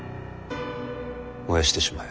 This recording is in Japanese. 燃やしてしまえ。